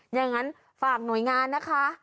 อย่างนั้นฝากหน่วยงานนะคะ